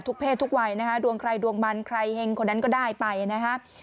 เพศทุกวัยนะคะดวงใครดวงมันใครเห็งคนนั้นก็ได้ไปนะฮะ